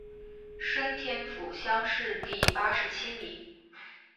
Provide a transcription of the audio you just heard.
顺天府乡试第八十七名。